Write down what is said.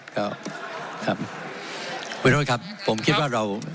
ขอประท้วงครับขอประท้วงครับขอประท้วงครับขอประท้วงครับ